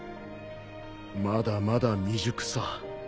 まだまだ未熟さ。